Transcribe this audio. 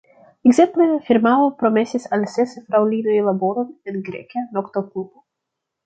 Ekzemple, firmao promesis al ses fraŭlinoj laboron en greka nokto-klubo.